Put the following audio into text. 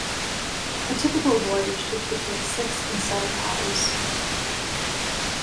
A typical voyage took between six and seven hours.